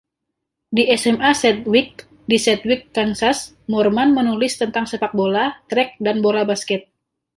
Di SMA Sedgwick di Sedgwick, Kansas, Moorman menulis tentang sepakbola, trek, dan bola basket.